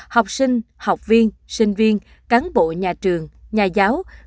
học sinh học viên sinh viên cán bộ nhà trường nhà giáo